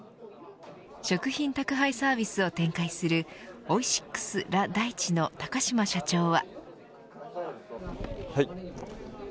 食品宅配サービスを展開するオイシックス・ラ・大地の高島社長は。